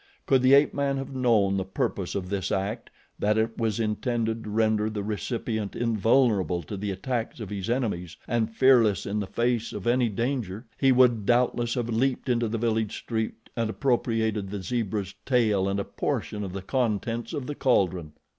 Could the ape man have known the purpose of this act, that it was intended to render the recipient invulnerable to the attacks of his enemies and fearless in the face of any danger, he would doubtless have leaped into the village street and appropriated the zebra's tail and a portion of the contents of the caldron.